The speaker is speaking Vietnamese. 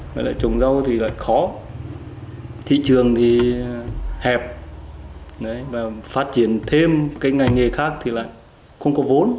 với lại trồng rau thì lại khó thị trường thì hẹp và phát triển thêm cái ngành nghề khác thì lại không có vốn